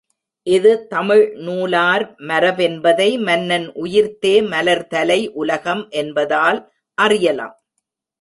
இது தமிழ் நூலார் மரபென்பதை மன்னன் உயிர்த்தே மலர்தலை உலகம் என்பதால் அறியலாம்.